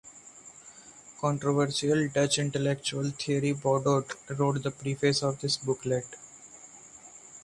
Controversial Dutch intellectual Thierry Baudet wrote the preface of this booklet.